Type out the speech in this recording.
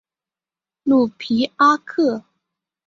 卢皮阿克。